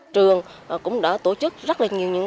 trường cũng đã tổ chức rất là nhiều trường